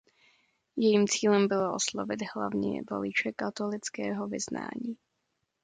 Jejím cílem bylo oslovit hlavně voliče katolického vyznání.